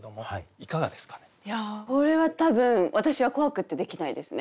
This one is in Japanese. いやこれは多分私は怖くってできないですね。